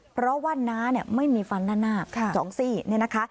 เพราะว่าน้าเนี่ยไม่มีฟันหน้า๒ซี่เนี่ยนะคะ